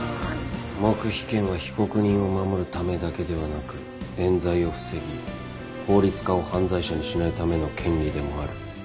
黙秘権は被告人を守るためだけではなく冤罪を防ぎ法律家を犯罪者にしないための権利でもある。